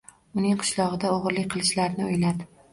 Uning qishlog‘ida o‘g‘irlik qilishlarini o‘yladi